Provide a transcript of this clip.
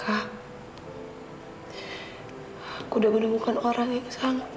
aku udah menemukan orang yang sangka